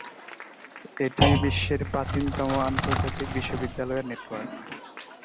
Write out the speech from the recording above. এটি বিশ্বের প্রাচীনতম আন্তর্জাতিক বিশ্ববিদ্যালয়ের নেটওয়ার্ক।